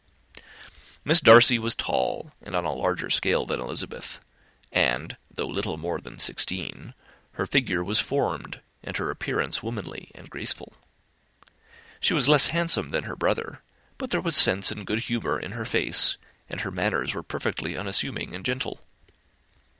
Miss Darcy was tall, and on a larger scale than Elizabeth; and, though little more than sixteen, her figure was formed, and her appearance womanly and graceful. She was less handsome than her brother, but there was sense and good humour in her face, and her manners were perfectly unassuming and gentle.